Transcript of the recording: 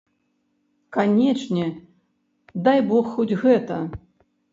Канешне, дай бог хоць гэта!